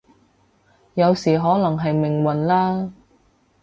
有時可能係命運啦